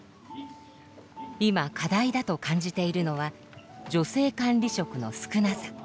今課題だと感じているのは女性管理職の少なさ。